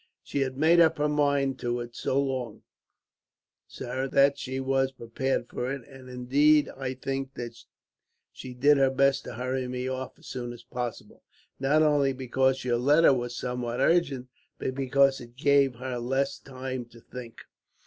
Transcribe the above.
"She had made up her mind to it so long, sir, that she was prepared for it; and indeed, I think that she did her best to hurry me off as soon as possible, not only because your letter was somewhat urgent, but because it gave her less time to think."